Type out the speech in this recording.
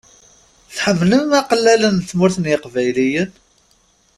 Tḥemmlem aqellal n Tmurt n yeqbayliyen?